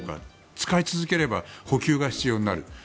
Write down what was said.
使い続ければ補給が必要になる。